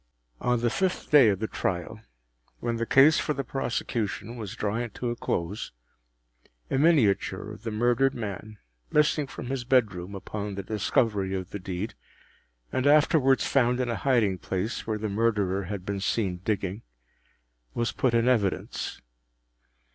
On the fifth day of the trial, when the case for the prosecution was drawing to a close, a miniature of the murdered man, missing from his bedroom upon the discovery of the deed, and afterwards found in a hiding place where the Murderer had been seen digging, was put in evidence.